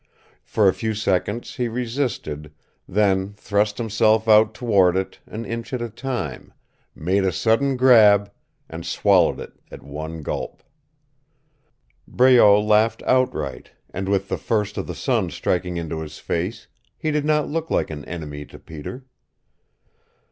For a few seconds he resisted, then thrust himself out toward it an inch at a time, made a sudden grab, and swallowed it at one gulp. Breault laughed outright, and with the first of the sun striking into his face he did not look like an enemy to Peter.